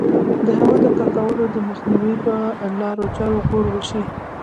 د هوا د ککړولو د مخنیوي په لارو چارو غور وشي.